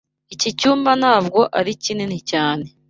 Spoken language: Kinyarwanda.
Iki cyumba ntabwo ari kinini cyane.